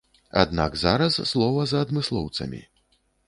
Аднак зараз слова за адмыслоўцамі.